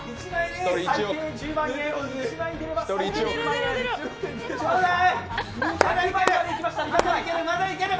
最低１０万円が１枚出れば。